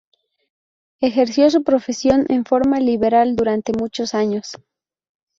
Ejerció su profesión en forma liberal durante muchos años.